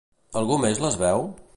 Algú més les veu?